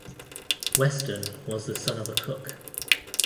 Weston was the son of a cook.